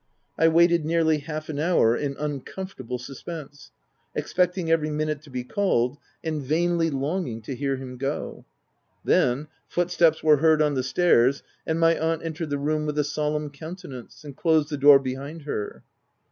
I waited nearly half an hour in uncomfortable suspense, expecting every minute to be called, and vainly longing to hear him go. Then, footsteps were 286 THE TENANT heard on the stairs, and my aunt entered the room with a solemn countenance, and closed the door behind her.